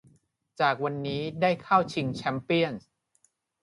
จนวันนี้ได้เข้าชิงแชมเปี้ยนส์